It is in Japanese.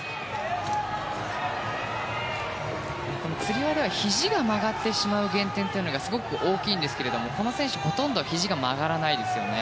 つり輪ではひじが曲がってしまう減点というのがすごく大きいんですけれどもこの選手はほとんどひじが曲がらないです。